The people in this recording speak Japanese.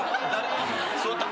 座った。